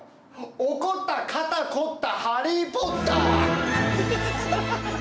怒った肩凝った「ハリー・ポッター」。